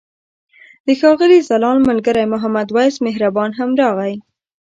د ښاغلي ځلاند ملګری محمد وېس مهربان هم راغی.